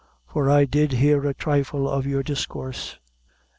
for I did hear a thrifle of your discoorse."